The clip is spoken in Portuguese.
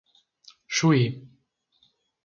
Chuí